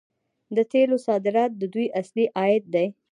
د تیلو صادرات د دوی اصلي عاید دی.